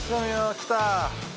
来た。